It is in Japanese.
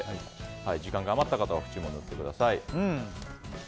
時間が余った方は縁も塗ってください。